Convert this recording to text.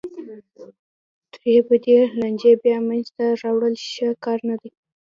تېرې بدې لانجې بیا منځ ته راوړل ښه کار نه دی.